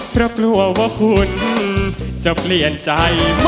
เพราะกลัวว่าคุณจะเปลี่ยนใจ